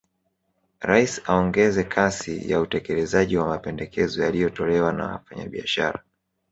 Rais aongeze kasi ya utekelezaji wa mapendekezo yaliyotolewa na Wafanyabiashara